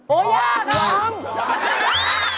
โอ้ยาก